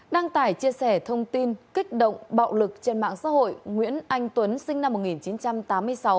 đăng tải chia sẻ thông tin kích động bạo lực trên mạng xã hội nguyễn anh tuấn sinh năm một nghìn chín trăm tám mươi sáu